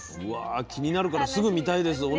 うわ気になるからすぐ見たいです。